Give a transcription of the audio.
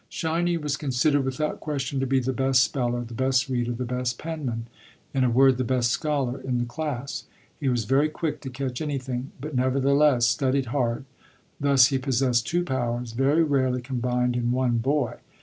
"Shiny" was considered without question to be the best speller, the best reader, the best penman in a word, the best scholar, in the class. He was very quick to catch anything, but, nevertheless, studied hard; thus he possessed two powers very rarely combined in one boy.